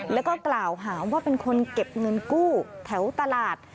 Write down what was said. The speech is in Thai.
แล้วก็กล่าวหาว่าเป็นคนเก็บเงินกู้แถวตลาด